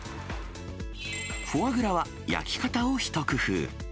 フォアグラは焼き方を一工夫。